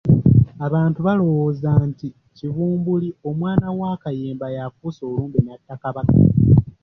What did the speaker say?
Abantu baalowooza nti Kibumbuli omwana wa Kayemba ye afuuse olumbe n'atta Kabaka.